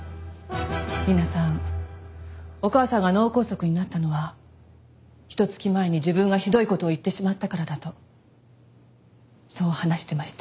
理奈さんお母さんが脳梗塞になったのはひと月前に自分がひどい事を言ってしまったからだとそう話してました。